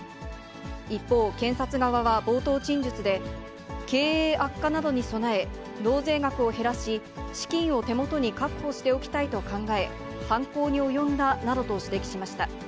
一方、検察側は冒頭陳述で、経営悪化などに備え、納税額を減らし、資金を手元に確保しておきたいと考え、犯行に及んだなどと指摘しました。